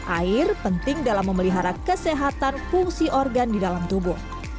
air penting dalam memelihara kesehatan fungsi organ di dalam tubuh